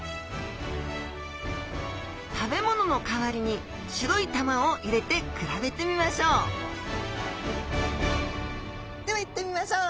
食べ物の代わりに白い玉を入れて比べてみましょうではいってみましょう。